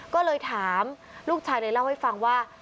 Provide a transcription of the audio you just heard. ก็เลยถามลูกชายเลยเล่าให้ฟังว่า